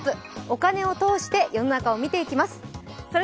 お金を通して世の中を見ていきます。